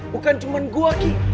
bukan cuma gue ki